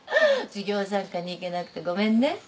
授業参観に行けなくてごめんね。